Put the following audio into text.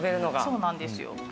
そうなんですよ。